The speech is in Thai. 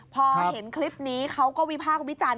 พอเห็นคลิปนี้เขาก็วิพากษ์วิจารณ์